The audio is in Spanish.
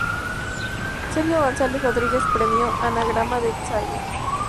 Sergio González Rodríguez, Premio Anagrama de Ensayo.